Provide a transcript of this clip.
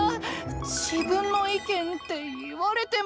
自分の意見って言われても。